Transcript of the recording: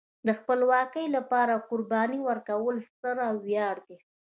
د خپلواکۍ لپاره قرباني ورکول ستر ویاړ دی.